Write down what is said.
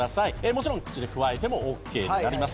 もちろん口でくわえてもオーケーになります。